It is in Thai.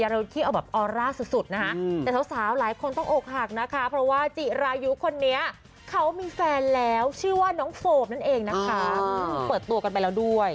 เปิดตัวกันไปแล้วด้วย